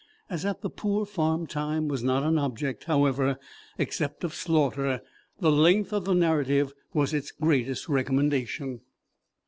As at the poor farm time was not an object, however, except of slaughter, the length of the narrative was its greatest recommendation.